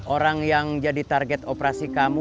orang yang jadi target operasi kamu